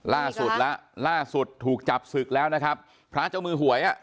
ล่าสุดแล้วล่าสุดถูกจับศึกแล้วนะครับพระเจ้ามือหวยอ่ะ